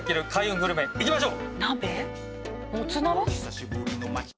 グルメ行きましょう。